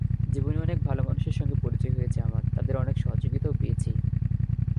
জীবনে অনেক ভালো মানুষের সঙ্গে পরিচয় হয়েছে আমার, তাঁদের অনেক সহযোগিতাও পেয়েছি।